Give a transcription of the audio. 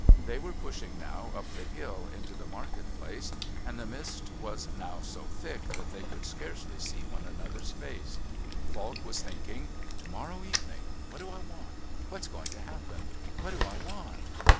They were pushing now up the hill into the market place and the mist was now so thick that they could scarcely see one another's face. Falk was thinking. "To morrow evening.... What do I want? What's going to happen? What do I want?"